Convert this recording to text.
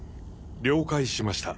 了解しました。